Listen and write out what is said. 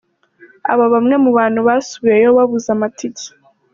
Aba bamwe mu bantu basubiyeyo babuze amatike.